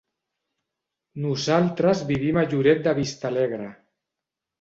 Nosaltres vivim a Lloret de Vistalegre.